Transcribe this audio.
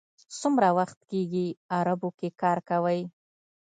څومره وخت کېږي عربو کې کار کوئ.